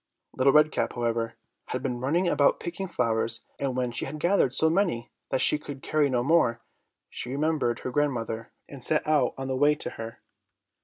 Little Red Cap, however, had been running about picking flowers, and when she had gathered so many that she could carry no more, she remembered her grandmother, and set out on the way to her.